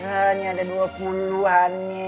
nah ini ada dua puluhannya